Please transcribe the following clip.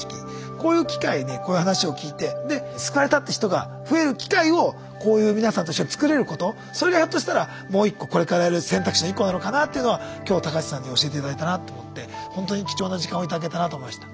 こういう機会にこういう話を聞いて救われたって人が増える機会をこういう皆さんと一緒に作れることそれがひょっとしたらもう１個これからやる選択肢の１個なのかなっていうのは今日橋さんに教えて頂いたなと思ってほんとに貴重な時間を頂けたなと思いました。